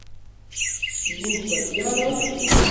موږ به بیا راشو